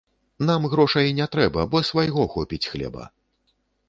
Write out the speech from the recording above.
Нам грошай не трэба, бо свайго хопіць хлеба.